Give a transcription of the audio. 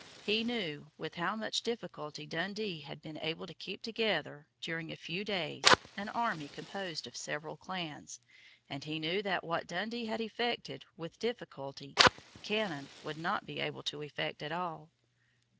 He knew with how much difficulty Dundee had been able to keep together, during a few days, an army composed of several clans; and he knew that what Dundee had effected with difficulty Cannon would not be able to effect at all.